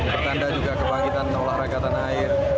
pertanda juga kebangkitan olahraga tanah air